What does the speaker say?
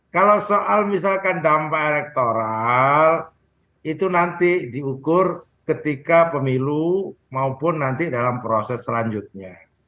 kalau soal misalkan dampak elektoral itu nanti diukur ketika pemilu maupun nanti dalam proses selanjutnya